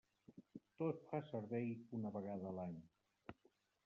Tot fa servei una vegada a l'any.